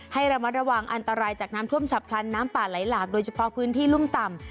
ให้ระมัดระวังอันตรายจากน้ำท่วมฉับพลันน้ำป่าไหลหลากโดยเฉพาะพื้นที่รุ่มต่ำ